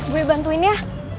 gue bantuin ya